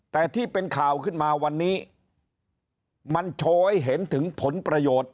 แต่ที่เป็นข่าวขึ้นมาวันนี้มันโชว์ให้เห็นถึงผลประโยชน์